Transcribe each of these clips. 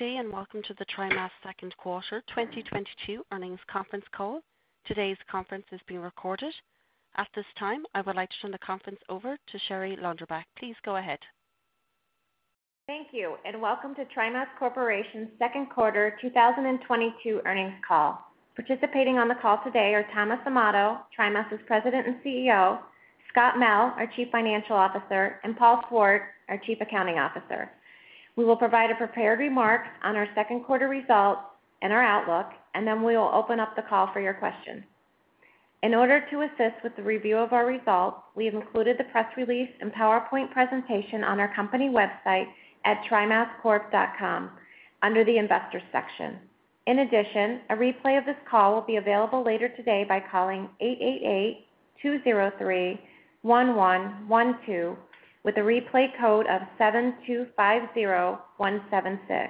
Good day, and welcome to the TriMas second quarter 2022 earnings conference call. Today's conference is being recorded. At this time, I would like to turn the conference over to Sherry Lauderback. Please go ahead. Thank you, and welcome to TriMas Corporation's second quarter 2022 earnings call. Participating on the call today are Tom Amato, TriMas' President and CEO, Scott Mell, our Chief Financial Officer, and Paul Swart, our Chief Accounting Officer. We will provide prepared remarks on our second quarter results and our outlook, and then we will open up the call for your questions. In order to assist with the review of our results, we have included the press release and PowerPoint presentation on our company website at trimascorp.com under the investor section. In addition, a replay of this call will be available later today by calling 888-203-1112 with a replay code of 7250176.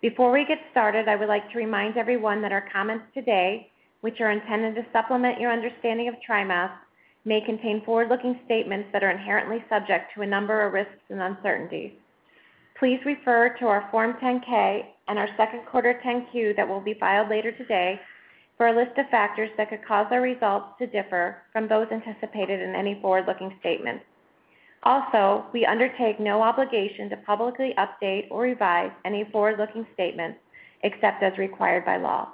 Before we get started, I would like to remind everyone that our comments today, which are intended to supplement your understanding of TriMas, may contain forward-looking statements that are inherently subject to a number of risks and uncertainties. Please refer to our Form 10-K and our second quarter 10-Q that will be filed later today for a list of factors that could cause our results to differ from those anticipated in any forward-looking statements. Also, we undertake no obligation to publicly update or revise any forward-looking statements except as required by law.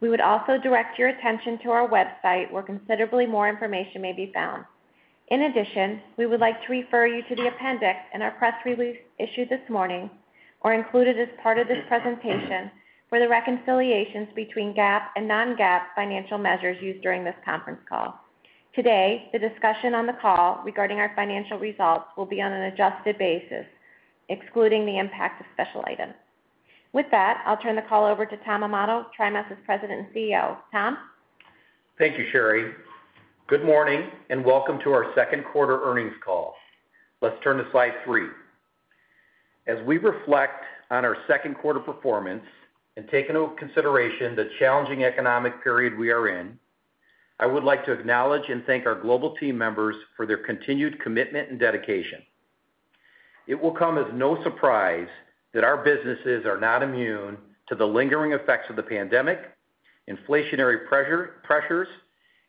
We would also direct your attention to our website, where considerably more information may be found. In addition, we would like to refer you to the appendix in our press release issued this morning or included as part of this presentation for the reconciliations between GAAP and non-GAAP financial measures used during this conference call. Today, the discussion on the call regarding our financial results will be on an adjusted basis, excluding the impact of special items. With that, I'll turn the call over to Tom Amato, TriMas' President and CEO. Tom? Thank you, Sherry. Good morning, and welcome to our second quarter earnings call. Let's turn to slide three. As we reflect on our second quarter performance and take into consideration the challenging economic period we are in, I would like to acknowledge and thank our global team members for their continued commitment and dedication. It will come as no surprise that our businesses are not immune to the lingering effects of the pandemic, inflationary pressures,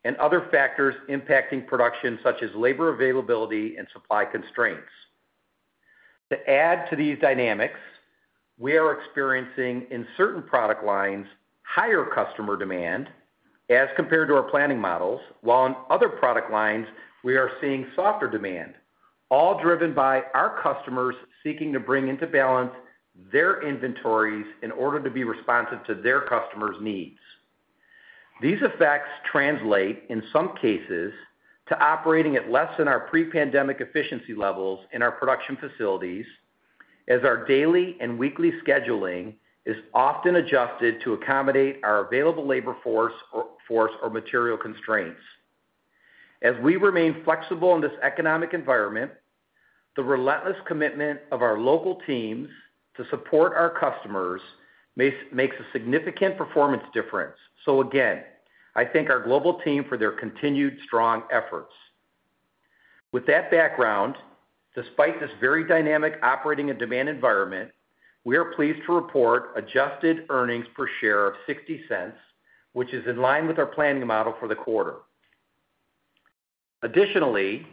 and other factors impacting production, such as labor availability and supply constraints. To add to these dynamics, we are experiencing in certain product lines, higher customer demand as compared to our planning models, while in other product lines we are seeing softer demand, all driven by our customers seeking to bring into balance their inventories in order to be responsive to their customers' needs. These effects translate, in some cases, to operating at less than our pre-pandemic efficiency levels in our production facilities as our daily and weekly scheduling is often adjusted to accommodate our available labor force or material constraints. As we remain flexible in this economic environment, the relentless commitment of our local teams to support our customers makes a significant performance difference. Again, I thank our global team for their continued strong efforts. With that background, despite this very dynamic operating and demand environment, we are pleased to report adjusted earnings per share of $0.60, which is in line with our planning model for the quarter. Additionally,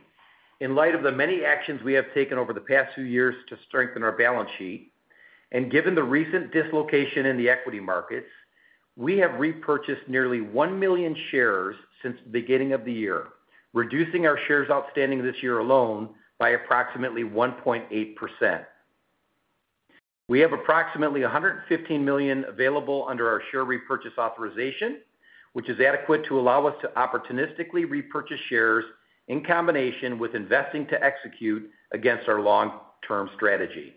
in light of the many actions we have taken over the past few years to strengthen our balance sheet, and given the recent dislocation in the equity markets, we have repurchased nearly 1 million shares since the beginning of the year, reducing our shares outstanding this year alone by approximately 1.8%. We have approximately 115 million available under our share repurchase authorization, which is adequate to allow us to opportunistically repurchase shares in combination with investing to execute against our long-term strategy.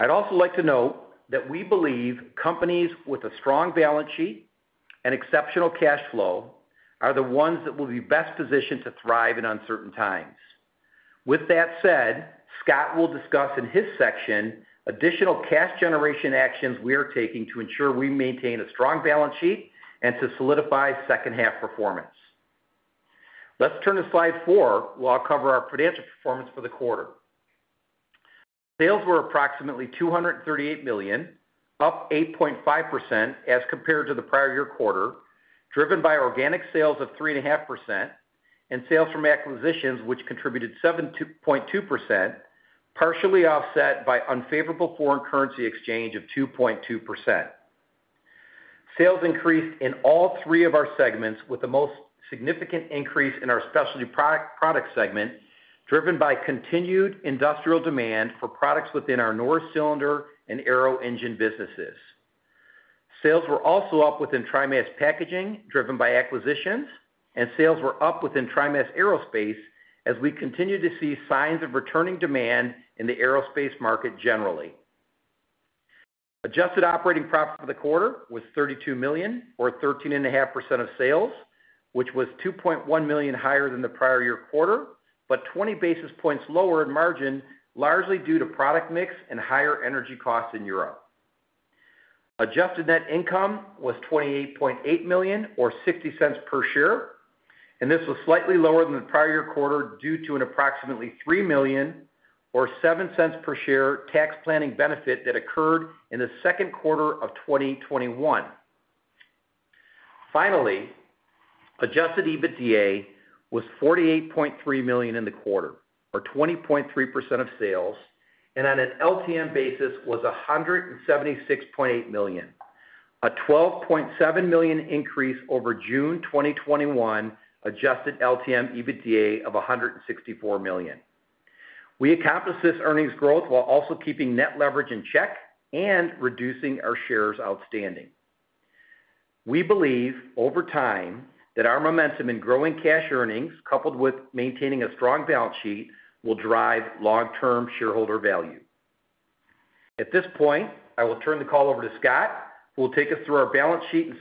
I'd also like to note that we believe companies with a strong balance sheet and exceptional cash flow are the ones that will be best positioned to thrive in uncertain times. With that said, Scott will discuss in his section additional cash generation actions we are taking to ensure we maintain a strong balance sheet and to solidify second half performance. Let's turn to slide four, where I'll cover our financial performance for the quarter. Sales were approximately $238 million, up 8.5% as compared to the prior year quarter, driven by organic sales of 3.5% and sales from acquisitions, which contributed 7.2%, partially offset by unfavorable foreign currency exchange of 2.2%. Sales increased in all three of our segments, with the most significant increase in our specialty product segment driven by continued industrial demand for products within our Norris Cylinder and Aero Engine businesses. Sales were also up within TriMas Packaging, driven by acquisitions, and sales were up within TriMas Aerospace as we continue to see signs of returning demand in the aerospace market generally. Adjusted operating profit for the quarter was $32 million or 13.5% of sales, which was $2.1 million higher than the prior year quarter, but 20 basis points lower in margin, largely due to product mix and higher energy costs in Europe. Adjusted net income was $28.8 million or $0.60 per share, and this was slightly lower than the prior year quarter due to an approximately $3 million or $0.07 per share tax planning benefit that occurred in the second quarter of 2021. Finally, adjusted EBITDA was $48.3 million in the quarter, or 20.3% of sales, and on an LTM basis was $176.8 million, a $12.7 million increase over June 2021 adjusted LTM EBITDA of $164 million. We accomplished this earnings growth while also keeping net leverage in check and reducing our shares outstanding. We believe, over time, that our momentum in growing cash earnings, coupled with maintaining a strong balance sheet, will drive long-term shareholder value. At this point, I will turn the call over to Scott, who will take us through our balance sheet and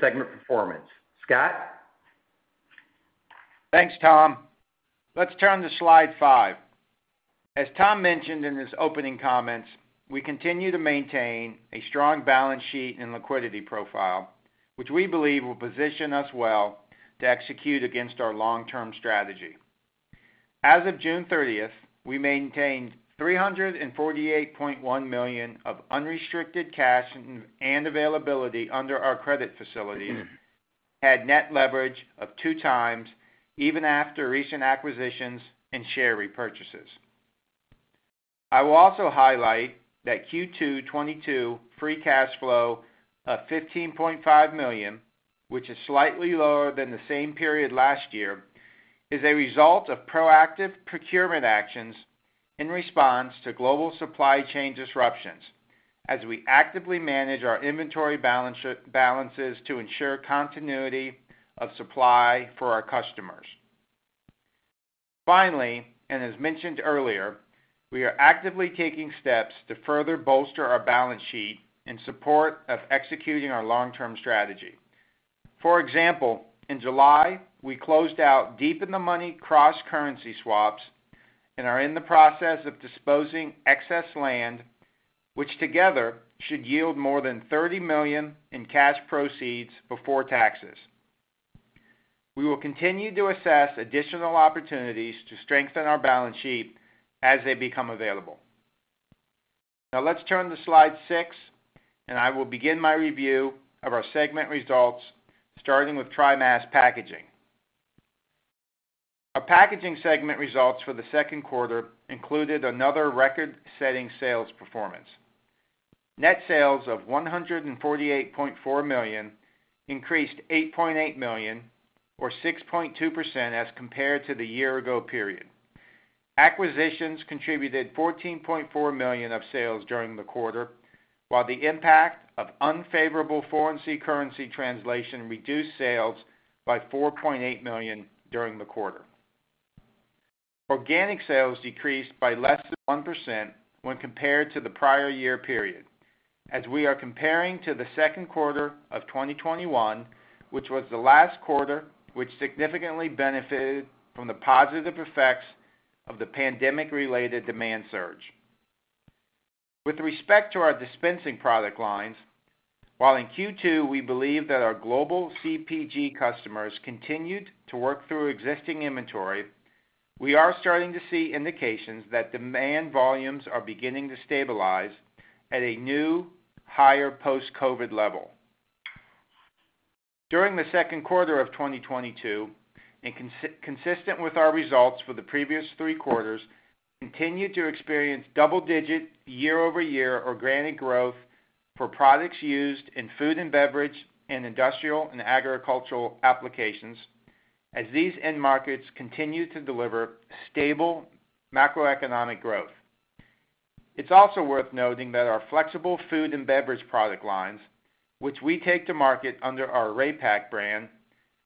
segment performance. Scott? Thanks, Tom. Let's turn to slide five. As Tom mentioned in his opening comments, we continue to maintain a strong balance sheet and liquidity profile, which we believe will position us well to execute against our long-term strategy. As of June 30th, we maintained $348.1 million of unrestricted cash and availability under our credit facilities, had net leverage of 2x even after recent acquisitions and share repurchases. I will also highlight that Q2 2022 free cash flow of $15.5 million, which is slightly lower than the same period last year, is a result of proactive procurement actions in response to global supply chain disruptions as we actively manage our inventory balance to ensure continuity of supply for our customers. Finally, and as mentioned earlier, we are actively taking steps to further bolster our balance sheet in support of executing our long-term strategy. For example, in July, we closed out deep in the money cross-currency swaps and are in the process of disposing excess land, which together should yield more than $30 million in cash proceeds before taxes. We will continue to assess additional opportunities to strengthen our balance sheet as they become available. Now let's turn to slide six, and I will begin my review of our segment results, starting with TriMas Packaging. Our packaging segment results for the second quarter included another record-setting sales performance. Net sales of $148.4 million increased $8.8 million or 6.2% as compared to the year ago period. Acquisitions contributed $14.4 million of sales during the quarter, while the impact of unfavorable foreign currency translation reduced sales by $4.8 million during the quarter. Organic sales decreased by less than 1% when compared to the prior year period, as we are comparing to the second quarter of 2021, which was the last quarter, which significantly benefited from the positive effects of the pandemic-related demand surge. With respect to our dispensing product lines, while in Q2, we believe that our global CPG customers continued to work through existing inventory, we are starting to see indications that demand volumes are beginning to stabilize at a new, higher post-COVID level. During the second quarter of 2022, and consistent with our results for the previous three quarters, continued to experience double-digit year-over-year organic growth for products used in food and beverage and industrial and agricultural applications, as these end markets continue to deliver stable macroeconomic growth. It's also worth noting that our flexible food and beverage product lines, which we take to market under our Rapak brand,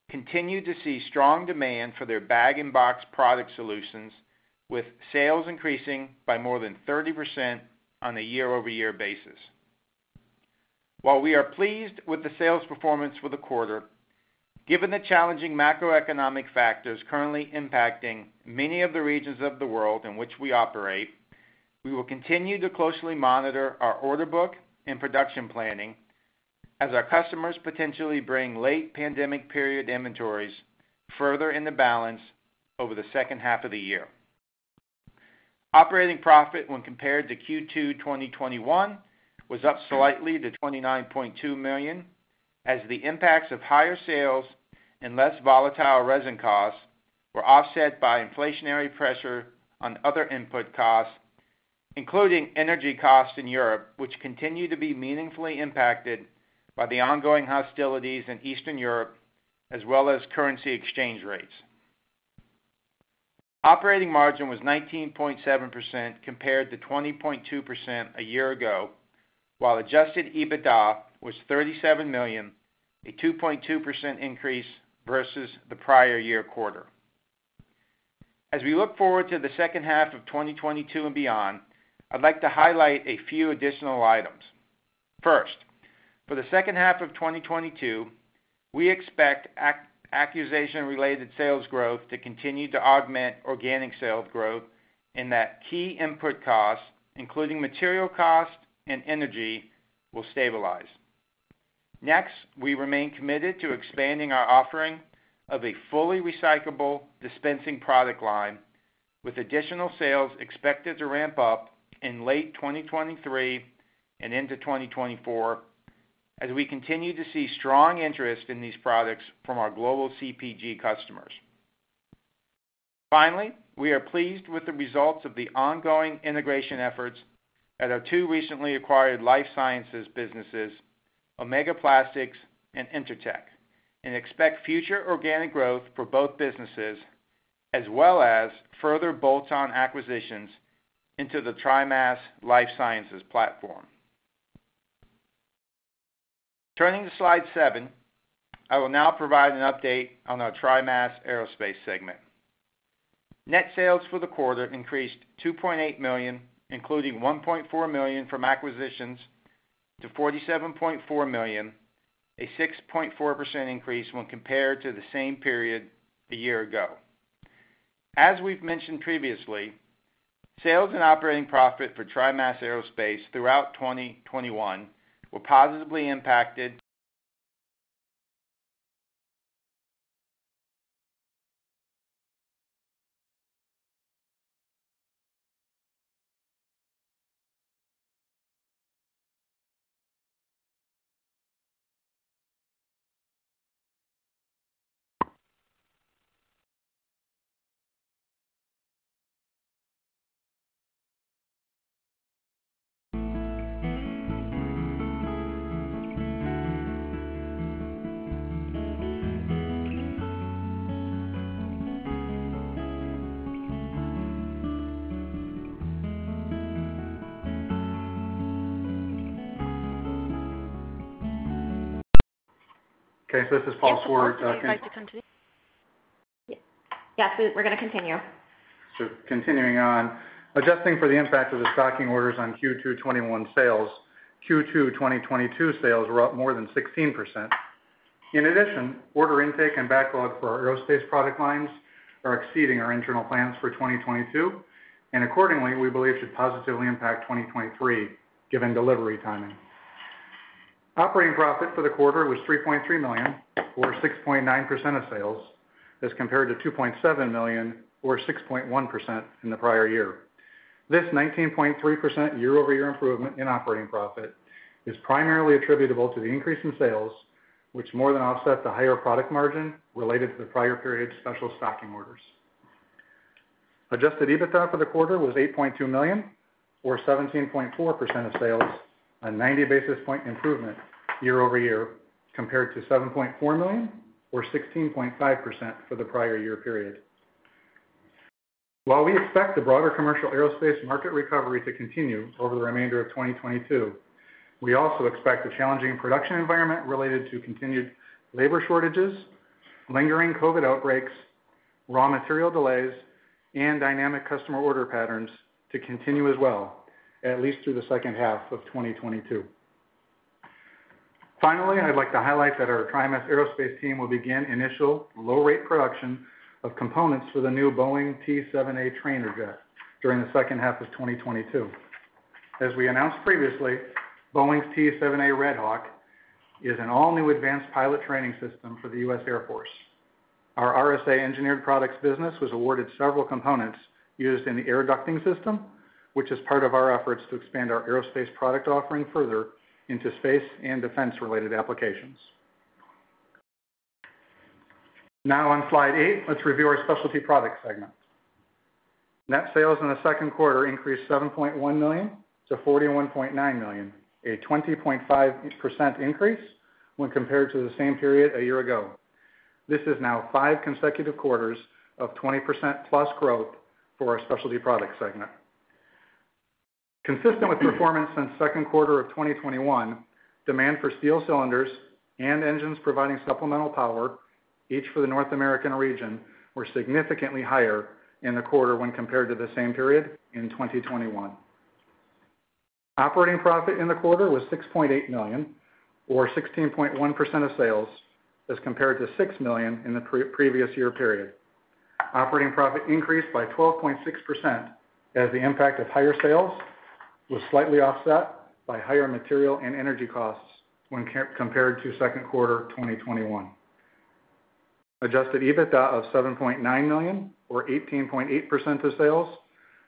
continue to see strong demand for their bag and box product solutions, with sales increasing by more than 30% on a year-over-year basis. While we are pleased with the sales performance for the quarter, given the challenging macroeconomic factors currently impacting many of the regions of the world in which we operate, we will continue to closely monitor our order book and production planning as our customers potentially bring late pandemic period inventories further into balance over the second half of the year. Operating profit when compared to Q2 2021 was up slightly to $29.2 million, as the impacts of higher sales and less volatile resin costs were offset by inflationary pressure on other input costs, including energy costs in Europe, which continue to be meaningfully impacted by the ongoing hostilities in Eastern Europe as well as currency exchange rates. Operating margin was 19.7% compared to 20.2% a year ago, while adjusted EBITDA was $37 million, a 2.2% increase versus the prior year quarter. As we look forward to the second half of 2022 and beyond, I'd like to highlight a few additional items. First, for the second half of 2022, we expect acquisition related sales growth to continue to augment organic sales growth, and that key input costs, including material costs and energy, will stabilize. Next, we remain committed to expanding our offering of a fully recyclable dispensing product line, with additional sales expected to ramp up in late 2023 and into 2024, as we continue to see strong interest in these products from our global CPG customers. Finally, we are pleased with the results of the ongoing integration efforts at our two recently acquired life sciences businesses, Omega Plastics and Intertech, and expect future organic growth for both businesses as well as further bolt-on acquisitions into the TriMas life sciences platform. Turning to slide seven, I will now provide an update on our TriMas Aerospace segment. Net sales for the quarter increased $2.8 million, including $1.4 million from acquisitions to $47.4 million, a 6.4% increase when compared to the same period a year ago. As we've mentioned previously, sales and operating profit for TriMas Aerospace throughout 2021 were positively impacted. Okay, this is Paul Swart. Yes, Paul, would you like to continue? Yes, we're gonna continue. Continuing on. Adjusting for the impact of the stocking orders on Q2 2021 sales, Q2 2022 sales were up more than 16%. In addition, order intake and backlog for our aerospace product lines are exceeding our internal plans for 2022, and accordingly, we believe should positively impact 2023 given delivery timing. Operating profit for the quarter was $3.3 million, or 6.9% of sales, as compared to $2.7 million, or 6.1% in the prior year. This 19.3% year-over-year improvement in operating profit is primarily attributable to the increase in sales, which more than offsets the higher product margin related to the prior period's special stocking orders. Adjusted EBITDA for the quarter was $8.2 million, or 17.4% of sales, a 90 basis point improvement year-over-year compared to $7.4 million, or 16.5% for the prior year period. While we expect the broader commercial aerospace market recovery to continue over the remainder of 2022, we also expect a challenging production environment related to continued labor shortages, lingering COVID outbreaks, raw material delays, and dynamic customer order patterns to continue as well, at least through the second half of 2022. Finally, I'd like to highlight that our TriMas Aerospace team will begin initial low rate production of components for the new Boeing T-7A trainer jet during the second half of 2022. As we announced previously, Boeing's T-7A Red Hawk is an all-new advanced pilot training system for the U.S. Air Force. Our RSA Engineered Products business was awarded several components used in the air ducting system, which is part of our efforts to expand our aerospace product offering further into space and defense-related applications. Now on slide eight, let's review our specialty product segment. Net sales in the second quarter increased $7.1 million to $41.9 million, a 20.5% increase when compared to the same period a year ago. This is now five consecutive quarters of 20%+ growth for our specialty product segment. Consistent with performance since second quarter of 2021, demand for steel cylinders and engines providing supplemental power, each for the North American region, were significantly higher in the quarter when compared to the same period in 2021. Operating profit in the quarter was $6.8 million, or 16.1% of sales, as compared to $6 million in the previous year period. Operating profit increased by 12.6% as the impact of higher sales was slightly offset by higher material and energy costs when compared to second quarter 2021. Adjusted EBITDA of $7.9 million, or 18.8% of sales,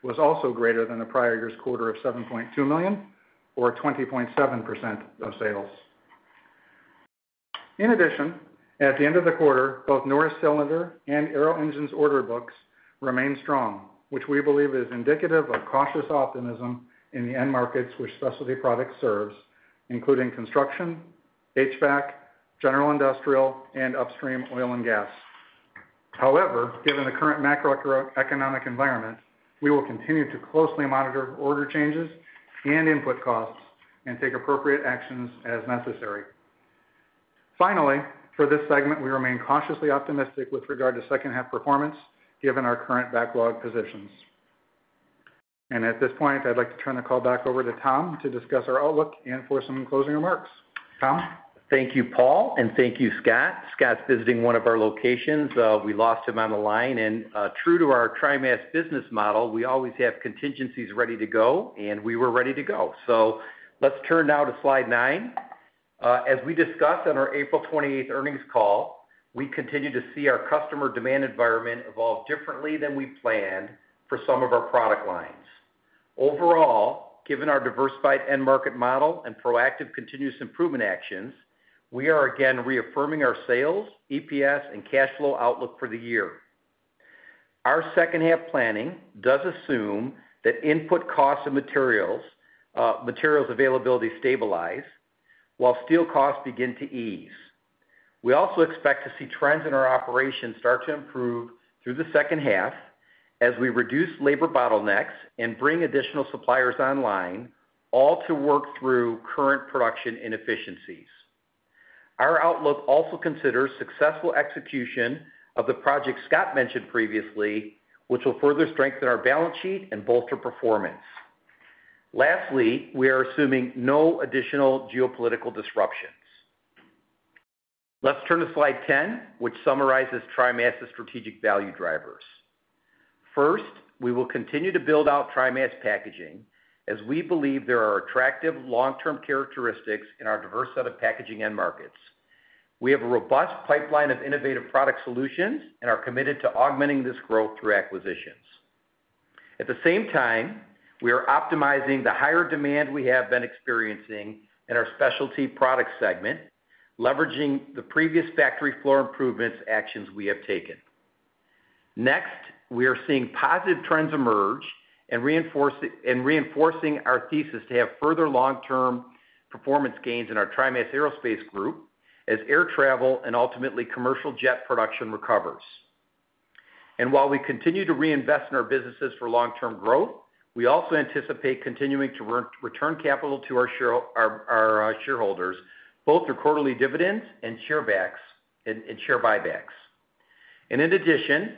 was also greater than the prior year's quarter of $7.2 million, or 20.7% of sales. In addition, at the end of the quarter, both Norris Cylinder and Aero Engine order books remain strong, which we believe is indicative of cautious optimism in the end markets which specialty products serves, including construction, HVAC, general industrial, and upstream oil and gas. However, given the current macroeconomic environment, we will continue to closely monitor order changes and input costs and take appropriate actions as necessary. Finally, for this segment, we remain cautiously optimistic with regard to second half performance given our current backlog positions. At this point, I'd like to turn the call back over to Tom to discuss our outlook and for some closing remarks. Tom? Thank you, Paul, and thank you, Scott. Scott's visiting one of our locations. We lost him on the line and, true to our TriMas Business Model, we always have contingencies ready to go, and we were ready to go. Let's turn now to slide nine. As we discussed on our April 28th earnings call, we continue to see our customer demand environment evolve differently than we planned for some of our product lines. Overall, given our diversified end market model and proactive continuous improvement actions, we are again reaffirming our sales, EPS, and cash flow outlook for the year. Our second half planning does assume that input costs and materials availability stabilize while steel costs begin to ease. We also expect to see trends in our operations start to improve through the second half as we reduce labor bottlenecks and bring additional suppliers online, all to work through current production inefficiencies. Our outlook also considers successful execution of the project Scott mentioned previously, which will further strengthen our balance sheet and bolster performance. Lastly, we are assuming no additional geopolitical disruptions. Let's turn to slide 10, which summarizes TriMas' strategic value drivers. First, we will continue to build out TriMas Packaging as we believe there are attractive long-term characteristics in our diverse set of packaging end markets. We have a robust pipeline of innovative product solutions and are committed to augmenting this growth through acquisitions. At the same time, we are optimizing the higher demand we have been experiencing in our Specialty Product segment, leveraging the previous factory floor improvements actions we have taken. Next, we are seeing positive trends emerge and reinforcing our thesis to have further long-term performance gains in our TriMas Aerospace group as air travel and ultimately commercial jet production recovers. While we continue to reinvest in our businesses for long-term growth, we also anticipate continuing to return capital to our shareholders, both through quarterly dividends and share buybacks. In addition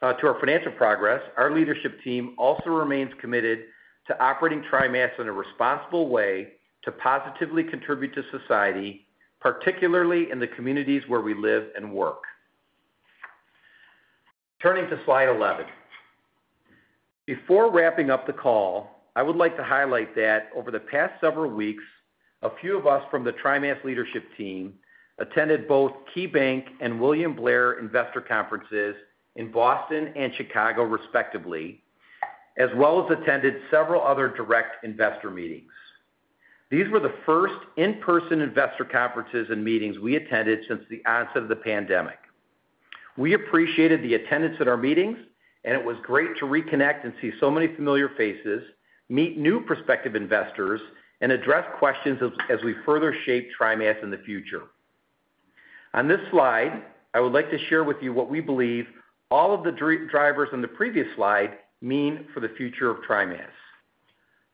to our financial progress, our leadership team also remains committed to operating TriMas in a responsible way to positively contribute to society, particularly in the communities where we live and work. Turning to slide eleven. Before wrapping up the call, I would like to highlight that over the past several weeks, a few of us from the TriMas leadership team attended both KeyBanc and William Blair investor conferences in Boston and Chicago, respectively, as well as attended several other direct investor meetings. These were the first in-person investor conferences and meetings we attended since the onset of the pandemic. We appreciated the attendance at our meetings, and it was great to reconnect and see so many familiar faces, meet new prospective investors, and address questions as we further shape TriMas in the future. On this slide, I would like to share with you what we believe all of the drivers on the previous slide mean for the future of TriMas.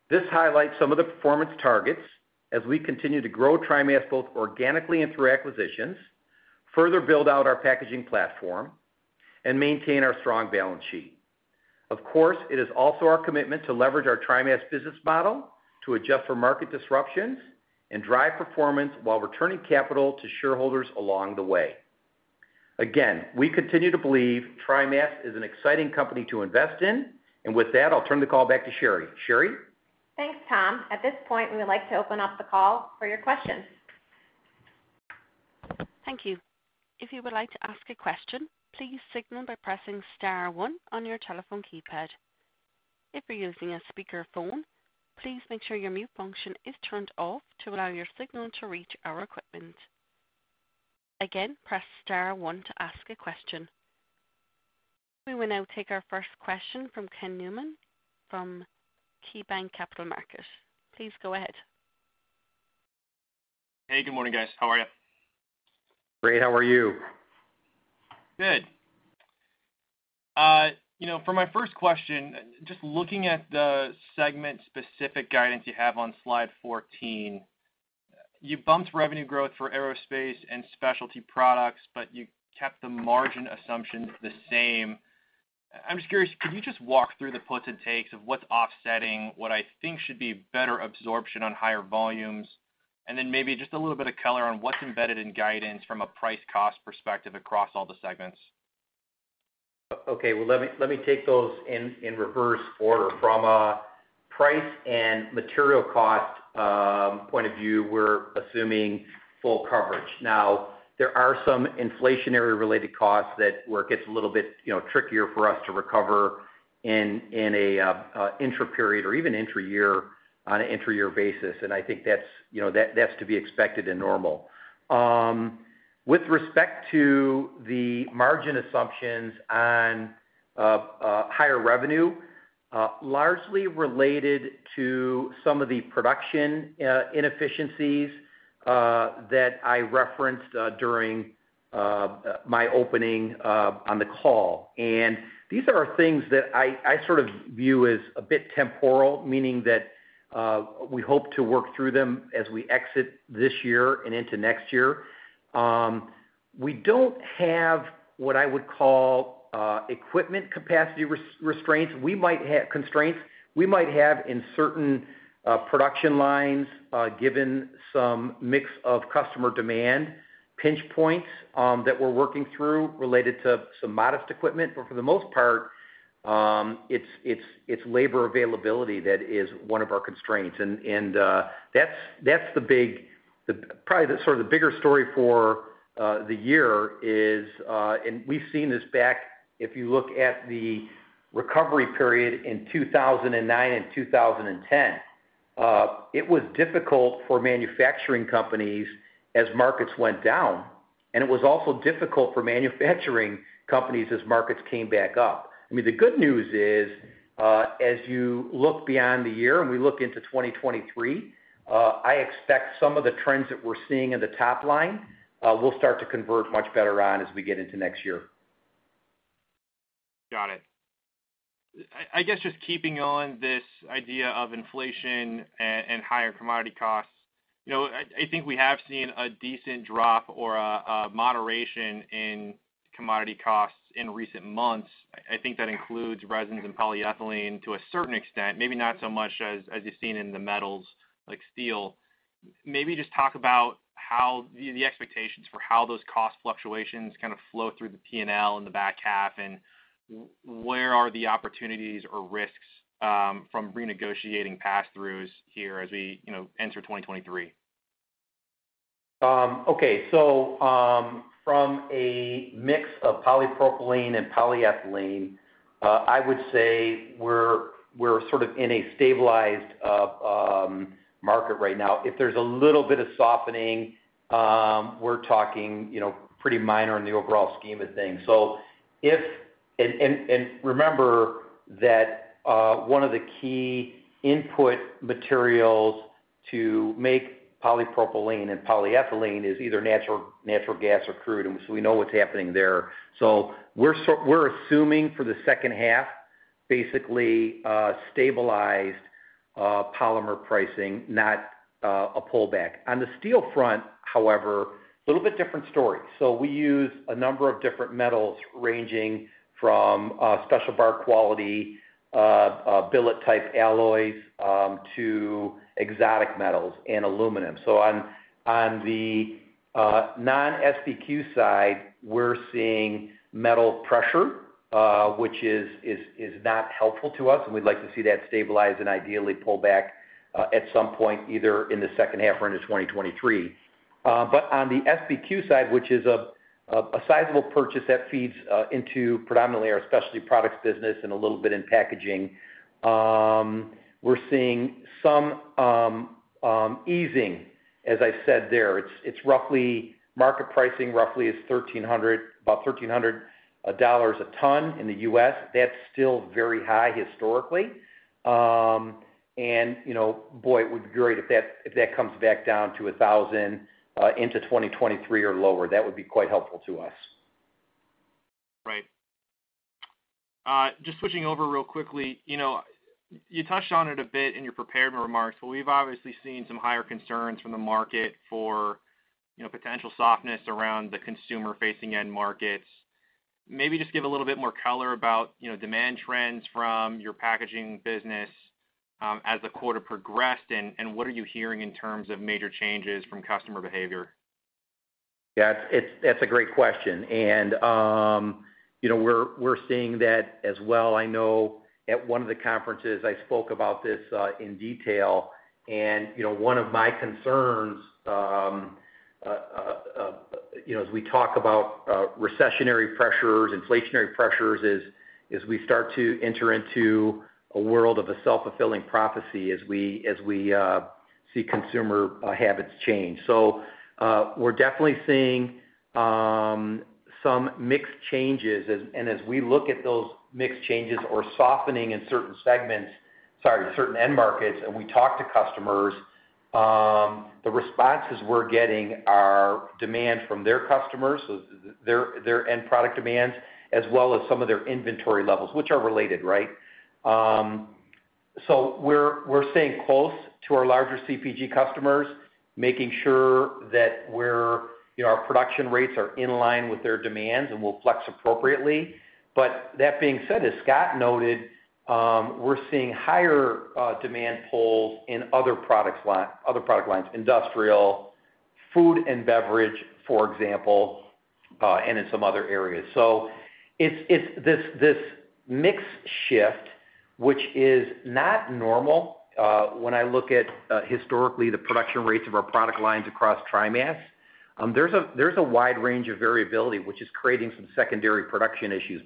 This highlights some of the performance targets as we continue to grow TriMas both organically and through acquisitions, further build out our packaging platform, and maintain our strong balance sheet. Of course, it is also our commitment to leverage our TriMas Business Model to adjust for market disruptions and drive performance while returning capital to shareholders along the way. Again, we continue to believe TriMas is an exciting company to invest in. With that, I'll turn the call back to Sherry. Sherry? Thanks, Tom. At this point, we would like to open up the call for your questions. Thank you. If you would like to ask a question, please signal by pressing star one on your telephone keypad. If you're using a speakerphone, please make sure your mute function is turned off to allow your signal to reach our equipment. Again, press star one to ask a question. We will now take our first question from Ken Newman from KeyBanc Capital Markets. Please go ahead. Hey, good morning, guys. How are you? Great. How are you? Good. You know, for my first question, just looking at the segment-specific guidance you have on slide 14, you bumped revenue growth for Aerospace and Specialty Products, but you kept the margin assumptions the same. I'm just curious, could you just walk through the puts and takes of what's offsetting what I think should be better absorption on higher volumes? And then maybe just a little bit of color on what's embedded in guidance from a price cost perspective across all the segments. Okay. Well, let me take those in reverse order. From a price and material cost point of view, we're assuming full coverage. Now, there are some inflationary-related costs that, where it gets a little bit, you know, trickier for us to recover in a intraperiod or even intra-year on an intra-year basis. I think that's, you know, that's to be expected and normal. With respect to the margin assumptions on higher revenue, largely related to some of the production inefficiencies that I referenced during my opening on the call. These are things that I sort of view as a bit temporal, meaning that we hope to work through them as we exit this year and into next year. We don't have what I would call equipment capacity restraints. We might have constraints. We might have in certain production lines, given some mix of customer demand pinch points, that we're working through related to some modest equipment. But for the most part, it's labor availability that is one of our constraints. That's probably the sort of bigger story for the year, and we've seen this before if you look at the recovery period in 2009 and 2010. It was difficult for manufacturing companies as markets went down, and it was also difficult for manufacturing companies as markets came back up. I mean, the good news is, as you look beyond the year and we look into 2023, I expect some of the trends that we're seeing in the top line, will start to convert much better on as we get into next year. Got it. I guess just keeping on this idea of inflation and higher commodity costs, you know, I think we have seen a decent drop or a moderation in commodity costs in recent months. I think that includes resins and polyethylene to a certain extent, maybe not so much as you've seen in the metals like steel. Maybe just talk about how the expectations for how those cost fluctuations kind of flow through the P&L in the back half, and where are the opportunities or risks from renegotiating passthroughs here as we, you know, enter 2023? Okay. From a mix of polypropylene and polyethylene, I would say we're sort of in a stabilized market right now. If there's a little bit of softening, we're talking, you know, pretty minor in the overall scheme of things. Remember that one of the key input materials to make polypropylene and polyethylene is either natural gas or crude, and so we know what's happening there. We're assuming for the second half, basically, stabilized polymer pricing, not a pullback. On the steel front, however, little bit different story. We use a number of different metals ranging from Special Bar Quality billet type alloys to exotic metals and aluminum. On the non-SBQ side, we're seeing metal pressure, which is not helpful to us, and we'd like to see that stabilized and ideally pull back at some point, either in the second half or into 2023. On the SBQ side, which is a sizable purchase that feeds into predominantly our specialty products business and a little bit in packaging, we're seeing some easing, as I said there. Market pricing roughly is $1,300, about $1,300 a ton in the U.S. That's still very high historically. And you know, boy, it would be great if that comes back down to $1,000 into 2023 or lower. That would be quite helpful to us. Right. Just switching over real quickly. You know, you touched on it a bit in your prepared remarks, but we've obviously seen some higher concerns from the market for, you know, potential softness around the consumer-facing end markets. Maybe just give a little bit more color about, you know, demand trends from your packaging business, as the quarter progressed and what are you hearing in terms of major changes from customer behavior? That's a great question. You know, we're seeing that as well. I know at one of the conferences, I spoke about this in detail. You know, one of my concerns, as we talk about recessionary pressures, inflationary pressures, is we start to enter into a world of a self-fulfilling prophecy as we see consumer habits change. We're definitely seeing some mixed changes. As we look at those mixed changes or softening in certain segments, sorry, certain end markets, and we talk to customers, the responses we're getting are demand from their customers, so their end product demands, as well as some of their inventory levels, which are related, right? We're staying close to our larger CPG customers, making sure that we're, you know, our production rates are in line with their demands and we'll flex appropriately. That being said, as Scott noted, we're seeing higher demand pulls in other product lines, industrial, food and beverage, for example, and in some other areas. It's this mix shift, which is not normal when I look at, historically, the production rates of our product lines across TriMas. There's a wide range of variability, which is creating some secondary production issues.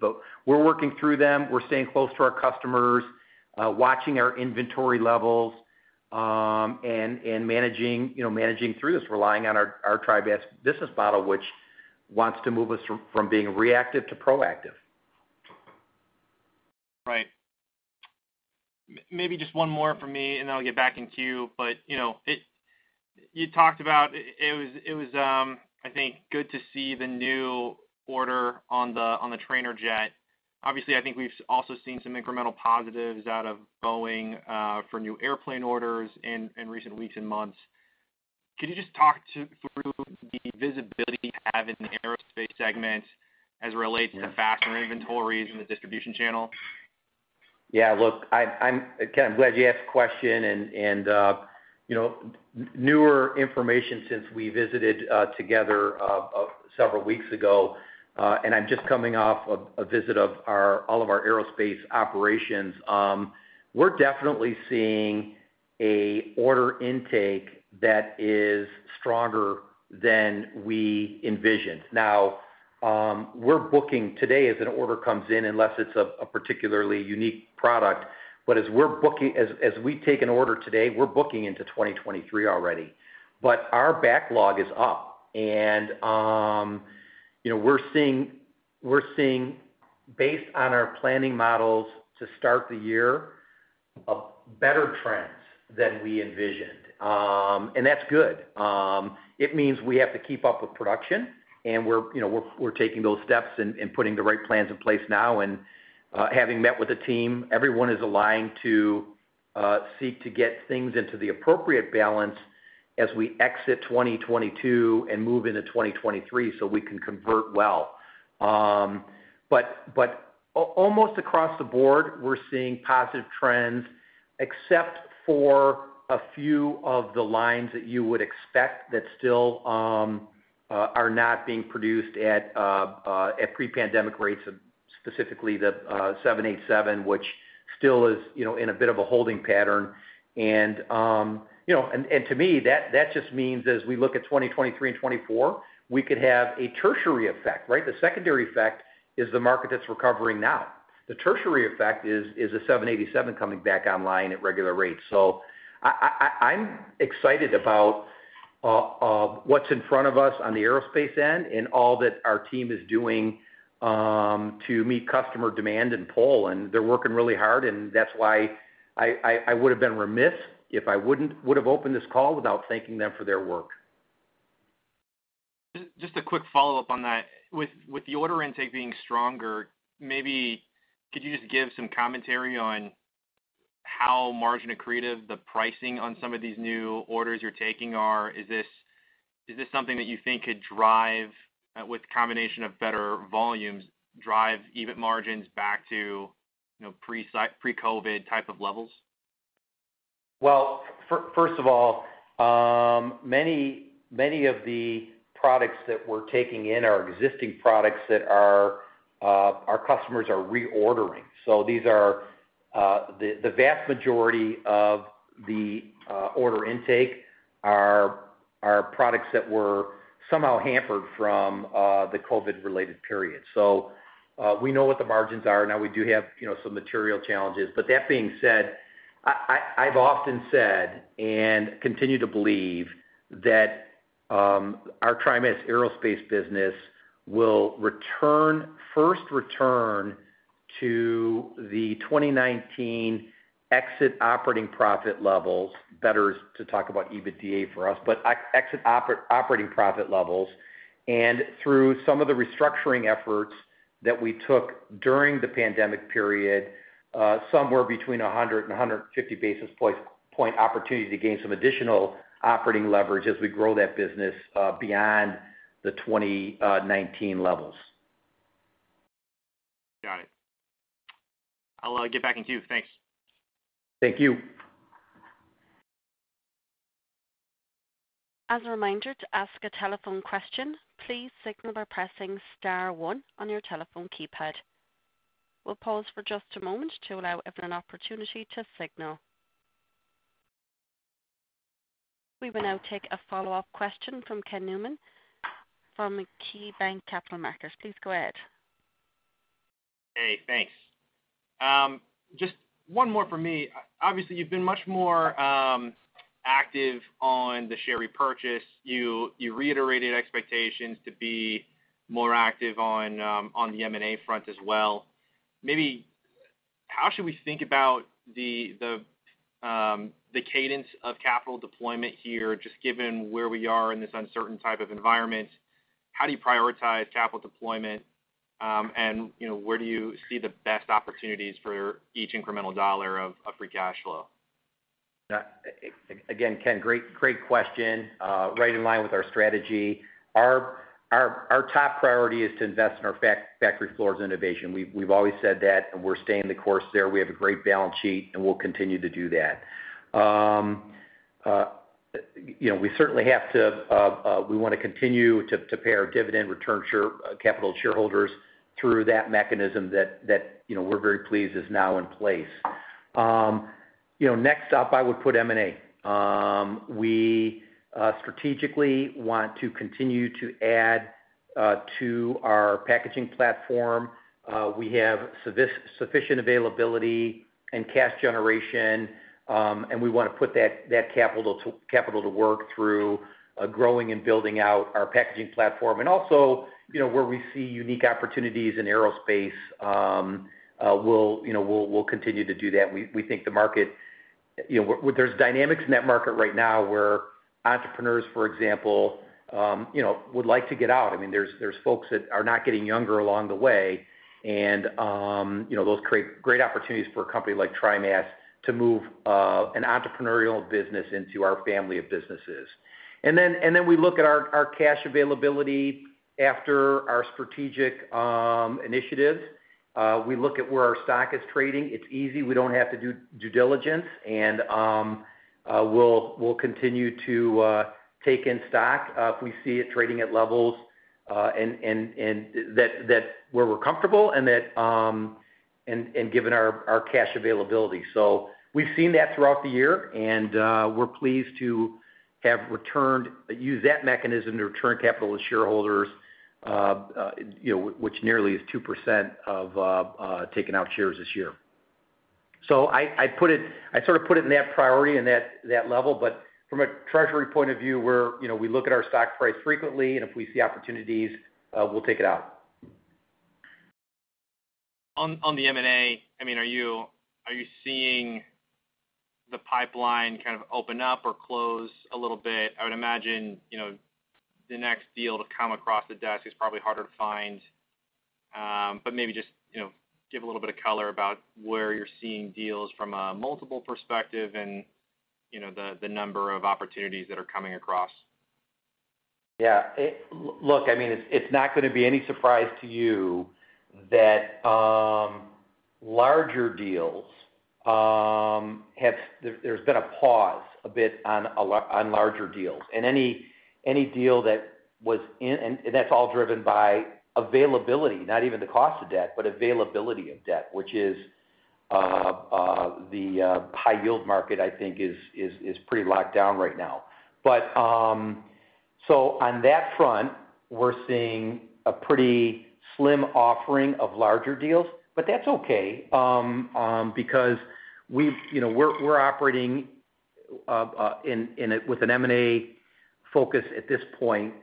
We're working through them. We're staying close to our customers, watching our inventory levels, and managing through this, relying on our TriMas business model, which wants to move us from being reactive to proactive. Right. Maybe just one more from me, and then I'll get back in queue. You know, you talked about it was, I think, good to see the new order on the trainer jet. Obviously, I think we've also seen some incremental positives out of Boeing for new airplane orders in recent weeks and months. Could you just talk through the visibility you have in the aerospace segment as it relates to fastener inventories in the distribution channel? Yeah. Look, I'm again glad you asked the question and you know, newer information since we visited together several weeks ago, and I'm just coming off a visit to all of our aerospace operations. We're definitely seeing an order intake that is stronger than we envisioned. Now, we're booking today as an order comes in, unless it's a particularly unique product, but as we take an order today, we're booking into 2023 already. Our backlog is up, and you know, we're seeing based on our planning models to start the year, better trends than we envisioned. That's good. It means we have to keep up with production, and you know, we're taking those steps and putting the right plans in place now. Having met with the team, everyone is aligned to seek to get things into the appropriate balance as we exit 2022 and move into 2023, so we can convert well. But almost across the board, we're seeing positive trends, except for a few of the lines that you would expect that still are not being produced at pre-pandemic rates, specifically the 787, which still is in a bit of a holding pattern. To me, that just means as we look at 2023 and 2024, we could have a tertiary effect, right? The secondary effect is the market that's recovering now. The tertiary effect is a 787 coming back online at regular rates. I'm excited about what's in front of us on the aerospace end and all that our team is doing to meet customer demand and pull, and they're working really hard, and that's why I would have been remiss if I would have opened this call without thanking them for their work. Just a quick follow-up on that. With the order intake being stronger, maybe could you just give some commentary on how margin accretive the pricing on some of these new orders you're taking are? Is this something that you think could drive, with combination of better volumes, drive EBIT margins back to, you know, pre-COVID type of levels? Well, first of all, many of the products that we're taking in are existing products that are our customers are reordering. These are the vast majority of the order intake are products that were somehow hampered from the COVID-related period. We know what the margins are. Now, we do have, you know, some material challenges. But that being said, I've often said and continue to believe that our TriMas Aerospace business will return first to the 2019 exit operating profit levels, better to talk about EBITDA for us, but exit operating profit levels. Through some of the restructuring efforts that we took during the pandemic period, somewhere between 100 basis points and 150 basis points of opportunity to gain some additional operating leverage as we grow that business beyond the 2019 levels. Got it. I'll get back in queue. Thanks. Thank you. As a reminder to ask a telephone question, please signal by pressing star one on your telephone keypad. We'll pause for just a moment to allow everyone opportunity to signal. We will now take a follow-up question from Ken Newman from KeyBanc Capital Markets. Please go ahead. Hey, thanks. Just one more for me. Obviously, you've been much more active on the share repurchase. You reiterated expectations to be more active on the M&A front as well. Maybe how should we think about the cadence of capital deployment here, just given where we are in this uncertain type of environment? How do you prioritize capital deployment, and you know, where do you see the best opportunities for each incremental dollar of free cash flow? Yeah. Again, Ken, great question. Right in line with our strategy. Our top priority is to invest in our factory floor's innovation. We've always said that, and we're staying the course there. We have a great balance sheet, and we'll continue to do that. You know, we certainly have to, we wanna continue to pay our dividend, return share capital to shareholders through that mechanism that, you know, we're very pleased is now in place. You know, next up, I would put M&A. We strategically want to continue to add to our packaging platform. We have sufficient availability and cash generation, and we wanna put that capital to work through growing and building out our packaging platform. Also, you know, where we see unique opportunities in aerospace, we'll continue to do that. We think the market, you know, where there's dynamics in that market right now where entrepreneurs, for example, you know, would like to get out. I mean, there's folks that are not getting younger along the way, and, you know, those create great opportunities for a company like TriMas to move an entrepreneurial business into our family of businesses. Then we look at our cash availability after our strategic initiatives. We look at where our stock is trading. It's easy. We don't have to do due diligence, and we'll continue to take in stock if we see it trading at levels where we're comfortable and given our cash availability. We've seen that throughout the year, and we're pleased to have used that mechanism to return capital to shareholders, you know, which is nearly 2% of taken out shares this year. I sort of put it in that priority and that level. From a treasury point of view, we're, you know, we look at our stock price frequently, and if we see opportunities, we'll take it out. On the M&A, I mean, are you seeing the pipeline kind of open up or close a little bit? I would imagine, you know, the next deal to come across the desk is probably harder to find. But maybe just, you know, give a little bit of color about where you're seeing deals from a multiple perspective and, you know, the number of opportunities that are coming across. Look, I mean, it's not gonna be any surprise to you that there's been a pause a bit on larger deals. That's all driven by availability, not even the cost of debt, but availability of debt, which is the high-yield market I think is pretty locked down right now. On that front, we're seeing a pretty slim offering of larger deals. That's okay because we've you know we're operating with an M&A focus at this point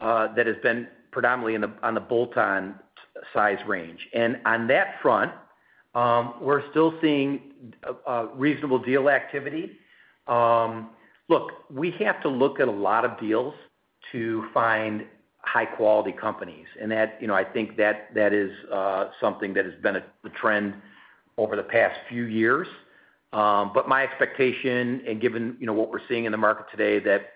that has been predominantly on the bolt-on size range. On that front, we're still seeing reasonable deal activity. Look, we have to look at a lot of deals to find high-quality companies, and that, you know, I think that is something that has been a trend over the past few years. My expectation, given you know what we're seeing in the market today, that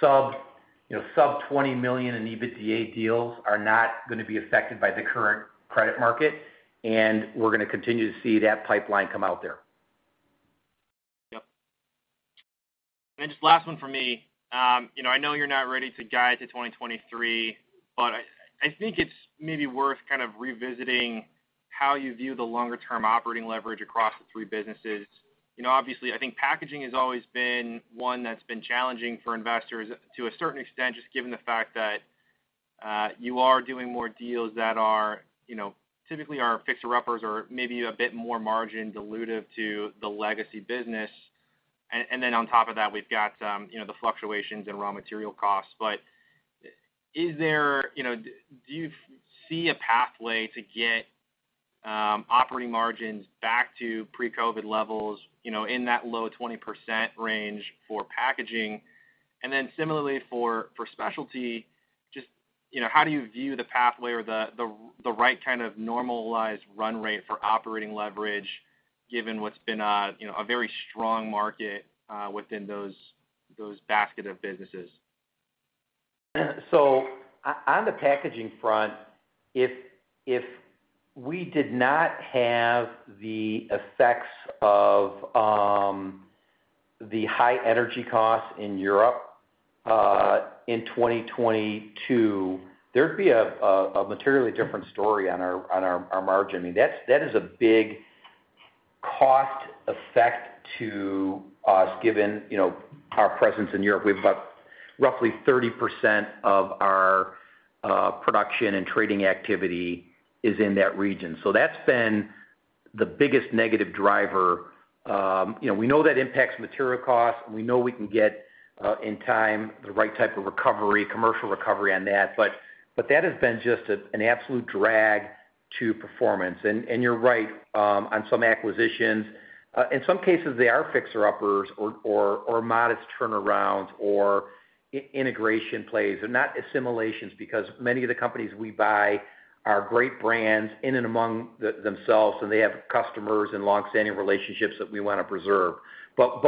sub-$20 million in EBITDA deals are not gonna be affected by the current credit market, and we're gonna continue to see that pipeline come out there. Yep. Just last one for me. You know, I know you're not ready to guide to 2023, but I think it's maybe worth kind of revisiting how you view the longer term operating leverage across the three businesses. You know, obviously, I think packaging has always been one that's been challenging for investors to a certain extent, just given the fact that you are doing more deals that are, you know, typically are fixer uppers or maybe a bit more margin dilutive to the legacy business. Then on top of that, we've got you know, the fluctuations in raw material costs. Is there, you know? Do you see a pathway to get operating margins back to pre-COVID levels, you know, in that low 20% range for packaging? Similarly for specialty, just, you know, how do you view the pathway or the right kind of normalized run rate for operating leverage given what's been a, you know, a very strong market within those basket of businesses? On the packaging front, if we did not have the effects of the high energy costs in Europe in 2022, there'd be a materially different story on our margin. I mean, that's a big cost effect to us given, you know, our presence in Europe. We've about roughly 30% of our production and trading activity is in that region. That's been the biggest negative driver. You know, we know that impacts material costs. We know we can get in time the right type of recovery, commercial recovery on that, but that has been just an absolute drag to performance. You're right on some acquisitions. In some cases, they are fixer uppers or modest turnarounds or integration plays. They're not assimilations because many of the companies we buy are great brands in and among themselves, and they have customers and long-standing relationships that we wanna preserve.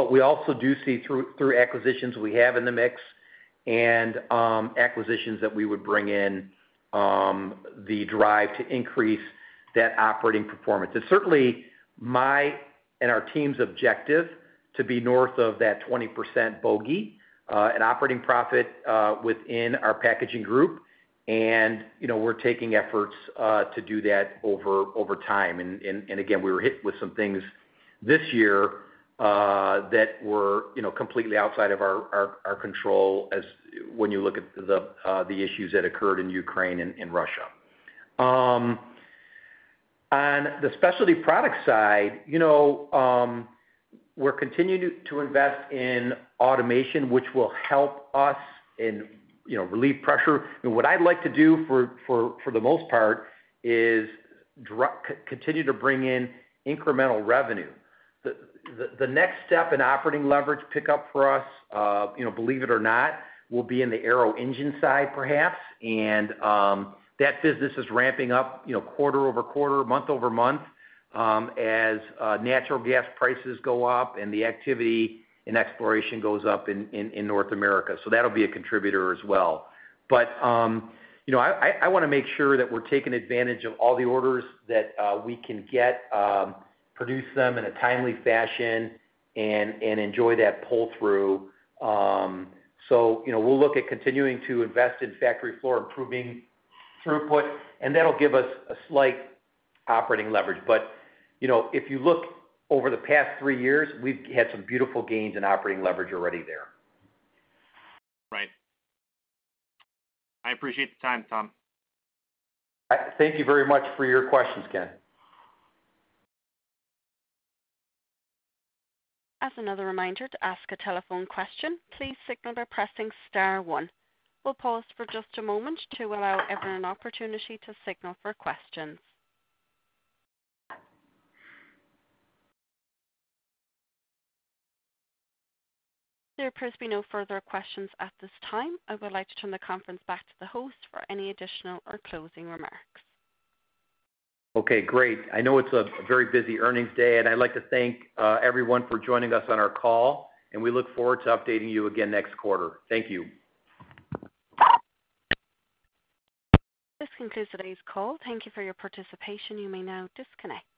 We also do see through acquisitions we have in the mix and acquisitions that we would bring in the drive to increase that operating performance. It's certainly my and our team's objective to be north of that 20% bogey in operating profit within our packaging group. You know, we're taking efforts to do that over time. Again, we were hit with some things this year that were completely outside of our control, especially when you look at the issues that occurred in Ukraine and Russia. On the specialty product side, you know, we're continuing to invest in automation, which will help us and, you know, relieve pressure. What I'd like to do for the most part is continue to bring in incremental revenue. The next step in operating leverage pickup for us, you know, believe it or not, will be in the Aero Engine side perhaps. That business is ramping up, you know, quarter-over-quarter, month-over-month, as natural gas prices go up and the activity in exploration goes up in North America. That'll be a contributor as well. You know, I wanna make sure that we're taking advantage of all the orders that we can get, produce them in a timely fashion and enjoy that pull-through. You know, we'll look at continuing to invest in factory floor, improving throughput, and that'll give us a slight operating leverage. You know, if you look over the past three years, we've had some beautiful gains in operating leverage already there. Right. I appreciate the time, Tom. Thank you very much for your questions, Ken. As another reminder to ask a telephone question, please signal by pressing star one. We'll pause for just a moment to allow everyone an opportunity to signal for questions. There appears to be no further questions at this time. I would like to turn the conference back to the host for any additional or closing remarks. Okay, great. I know it's a very busy earnings day, and I'd like to thank everyone for joining us on our call, and we look forward to updating you again next quarter. Thank you. This concludes today's call. Thank you for your participation. You may now disconnect.